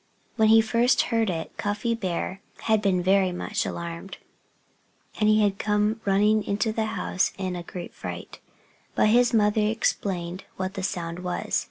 When he first heard it Cuffy Bear had been very much alarmed; and he had come running into the house in a great fright. But his mother explained what the sound was.